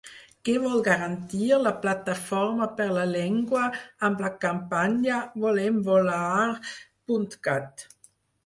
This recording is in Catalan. Què vol garantir La Plataforma per la Llengua amb la campanya volemvolar.cat?